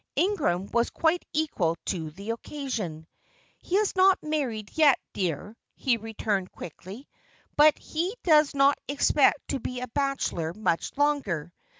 Ingram was quite equal to the occasion. "He is not married yet, dear," he returned, quickly, "but he does not expect to be a bachelor much longer.